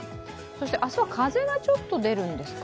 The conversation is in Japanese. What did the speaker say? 明日は風がちょっと出るんですか？